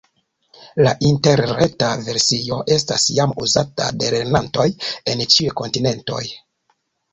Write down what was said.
La interreta versio estas jam uzata de lernantoj en ĉiuj kontinentoj.